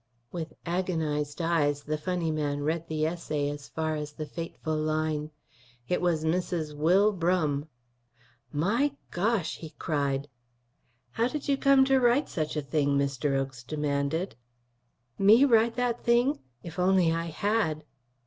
With agonized eyes the funny man read the essay as far as the fateful line, "It was Mrs. Will Brum." "My gosh!" he cried. "How did you come to write such a thing?" Mr. Oakes demanded. "Me write that thing? If I only had!"